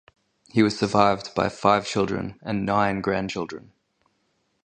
He was survived by five children and nine grandchildren.